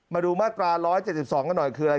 มาดูมาตรา๑๗๒กันหน่อยคืออะไร